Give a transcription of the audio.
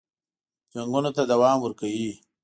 جنګونو ته دوام ورکوي.